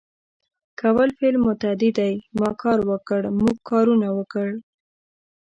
کول فعل متعدي دی ما کار وکړ ، موږ کارونه وکړ